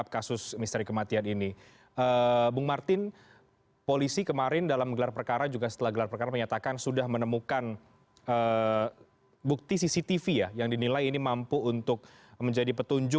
kami akan segera kembali